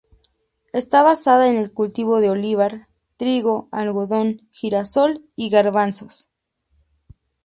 Está basada en el cultivo del olivar, trigo, algodón, girasol y garbanzos.